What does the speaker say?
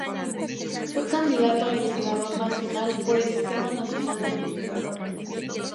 Fue candidato a Investigador Nacional, por el Sistema Nacional de Investigadores.